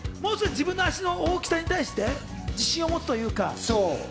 自分の足の大きさに対して自信を持つというか。